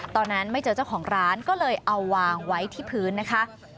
ตอนนั้นไม่เจอเจ้าของร้านก็เลยเอาวางไว้ที่พื้นนะคะ